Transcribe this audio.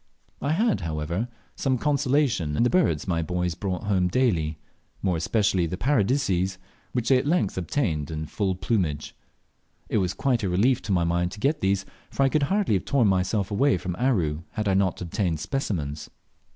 I had, however, some consolation in the birds my boys brought home daily, more especially the Paradiseas, which they at length obtained in full plumage. It was quite a relief to my mind to get these, for I could hardly have torn myself away from Aru had I not obtained specimens.